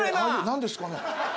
何ですかね？